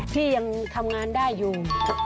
ที่ยังทำงานได้อยู่